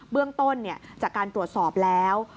เบื้องต้นจากการตรวจสอบแล้ว